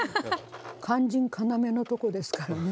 肝心要のとこですからね。